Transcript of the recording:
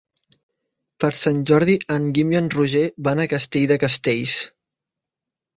Per Sant Jordi en Guim i en Roger van a Castell de Castells.